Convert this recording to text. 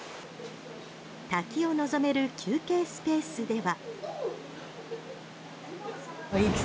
滝を望める休憩スペースでは。